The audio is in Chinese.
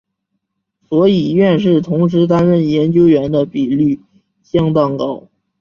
所以院士同时担任研究员的比率相当高。